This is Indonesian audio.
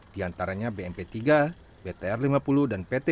di antaranya bmp tiga btr lima puluh dan pt tujuh puluh enam